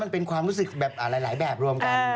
มันเป็นความรู้สึกแบบหลายแบบรวมกัน